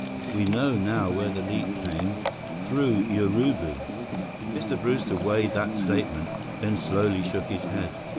We know now where the leak came. Through Urubu." Mr. Brewster weighed that statement, then slowly shook his head.